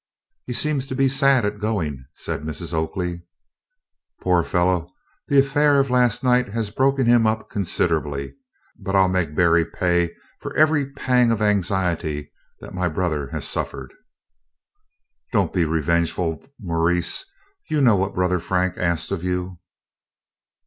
"He seems to be sad at going," said Mrs. Oakley. "Poor fellow, the affair of last night has broken him up considerably, but I 'll make Berry pay for every pang of anxiety that my brother has suffered." "Don't be revengeful, Maurice; you know what brother Frank asked of you."